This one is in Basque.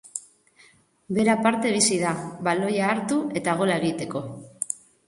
Bera aparte bizi da, baloia hartu eta gola egiteko.